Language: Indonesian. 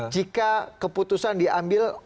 jika keputusan diambil